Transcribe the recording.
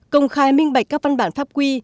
công khai minh bạch các văn bản pháp quy